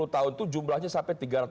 sembilan puluh tahun itu jumlahnya sampai